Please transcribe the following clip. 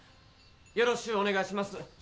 よろしゅうお願いします。